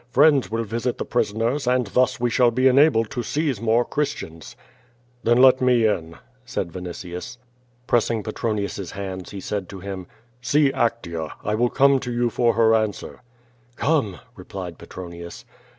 Friends will visit the ]»ri8on ors, and thus we shall be enabled to seize more Christians." QVO VADIS. 379 "Then let me in/' said Yinitius. Pressing Petronius's hands, he said to him: "See Actea. I will come to you for her answer/^ "Come," replied Petronius.